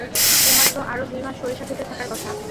তোমার তো আরো দুইমাস সরিষা ক্ষেতে থাকার কথা।